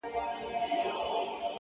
دا چي انجوني ټولي ژاړي سترگي سرې دي ـ